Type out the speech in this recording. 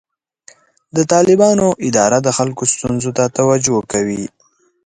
د طالبانو اداره د خلکو ستونزو ته توجه کوي.